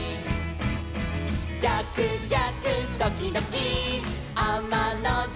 「じゃくじゃくドキドキあまのじゃく」